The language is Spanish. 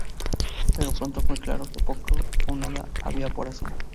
Pero pronto fue claro que poco o nada había por hacer.